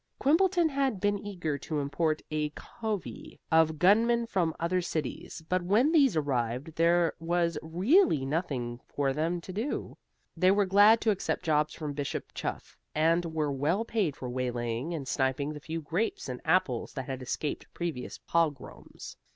Quimbleton had been eager to import a covey of gunmen from other cities, but when these arrived there was really nothing for them to do. They were glad to accept jobs from Bishop Chuff, and were well paid for waylaying and sniping the few grapes and apples that had escaped previous pogroms.